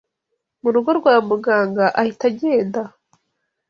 mu rugo rwa Muganga ahita agenda